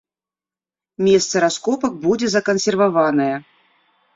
Месца раскопак будзе закансерваванае.